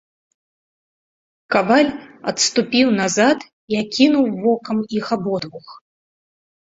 Каваль адступіў назад і акінуў вокам іх абодвух.